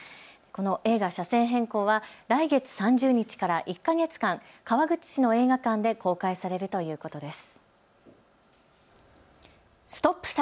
映画、車線変更は来月３０日から１か月間、川口市の映画館で公開されるということです。